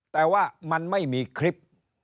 แต่ว่ามันไม่มีคลิป